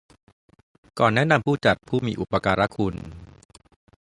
ก่อนแนะนำผู้จัดผู้มีอุปการคุณ